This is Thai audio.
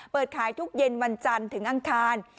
เปิดขายทุกเย็นวันจันทร์ถึงอังคาร